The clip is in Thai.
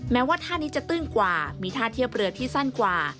แม้ว่าท่านี้จะตื้นกว่ามีท่าเทียบเรือที่สั้นกว่า